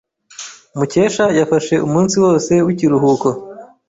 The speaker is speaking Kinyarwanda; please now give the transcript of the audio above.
Mukesha yafashe umunsi wose w'ikiruhuko.